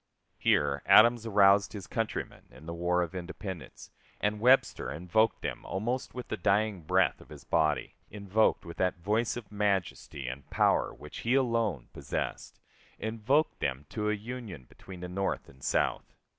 Here Adams aroused his countrymen in the War of Independence, and Webster invoked them almost with the dying breath of his body invoked with that voice of majesty and power which he alone possessed invoked them to a union between the North and South.